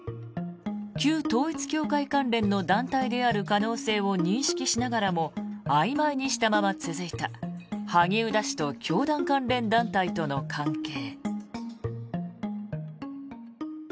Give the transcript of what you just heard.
旧統一教会関連の団体である可能性を認識しながらもあいまいにしたまま続いた萩生田氏と教団関連団体との関係。